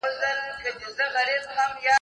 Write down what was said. اوبه بې ځایه مه مصرفوئ.